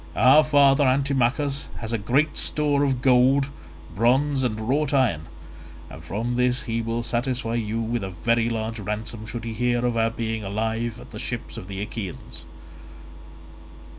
Our father Antimachus has great store of gold, bronze, and wrought iron, and from this he will satisfy you with a very large ransom should he hear of our being alive at the ships of the Achaeans."